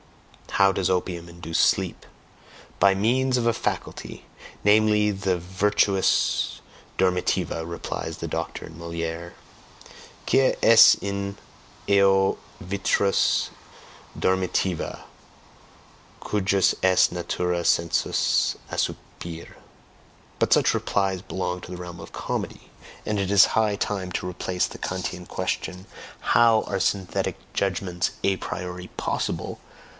How does opium induce sleep? "By means of a means (faculty)," namely the virtus dormitiva, replies the doctor in Moliere, Quia est in eo virtus dormitiva, Cujus est natura sensus assoupire. But such replies belong to the realm of comedy, and it is high time to replace the Kantian question, "How are synthetic judgments a PRIORI possible?"